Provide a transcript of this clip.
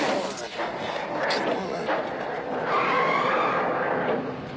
ちょっと。